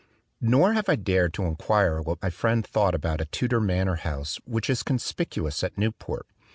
Nor have I dared to inquire what my friend thought about a Tudor manor house, which is conspicuous at Newport.